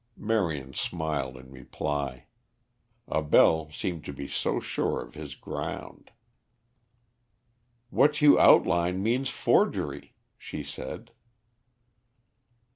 Marion smiled in reply. Abell seemed to be so sure of his ground. "What you outline means forgery," she said.